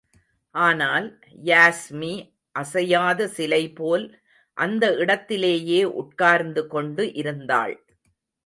ஆனால், யாஸ்மி அசையாத சிலைபோல் அந்த இடத்திலேயே உட்கார்ந்து கொண்டு இருந்தாள்.